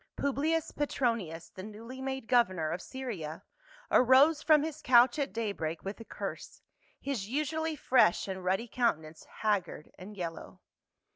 Publius Petronius, the newly made governor of Syria, arose from his couch at day break with a curse, his usually fresh and ruddy countenance haggard and yellow.